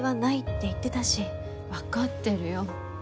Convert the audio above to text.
わかってるよ。